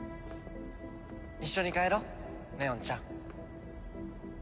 一緒に帰ろう祢音ちゃん。